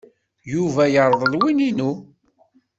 Yuba yerḍel win-inu.